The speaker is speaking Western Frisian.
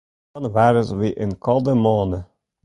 Jannewaris wie in kâlde moanne.